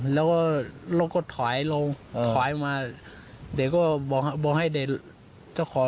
แล้วก็รถก็ถอยลงถอยมาเด็กก็บอกให้เด็ก